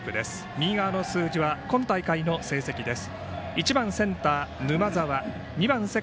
右側の数字は今大会の成績です。